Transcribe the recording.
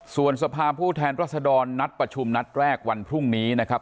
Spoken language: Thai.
ส่วนสภาพผู้แทนรัศดรนัดประชุมนัดแรกวันพรุ่งนี้นะครับ